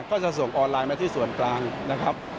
ก็จะส่งออนไลน์มาที่ส่วนกลางนะครับ